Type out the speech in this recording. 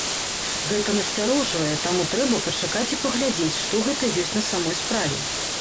Гэта насцярожвае, таму трэба пачакаць і паглядзець, што гэта ёсць на самой справе.